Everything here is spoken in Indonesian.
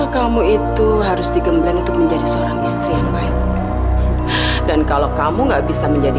sampai jumpa di video selanjutnya